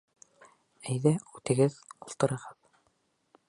Әйҙә, үтегеҙ, ултырығыҙ!